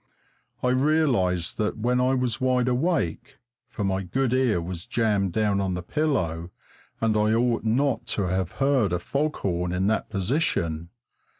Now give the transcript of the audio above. I realised that when I was wide awake, for my good ear was jammed down on the pillow, and I ought not to have heard a fog horn in that position.